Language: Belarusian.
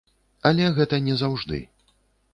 Але гэта не заўжды.